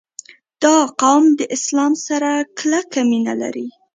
• دا قوم د اسلام سره کلکه مینه لري.